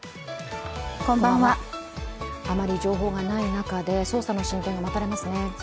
あまり情報がない中で捜査の進展が待たれますね。